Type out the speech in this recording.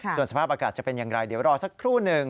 ส่วนสภาพอากาศจะเป็นอย่างไรเดี๋ยวรอสักครู่หนึ่ง